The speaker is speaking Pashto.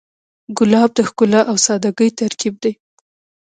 ګلاب د ښکلا او سادګۍ ترکیب دی.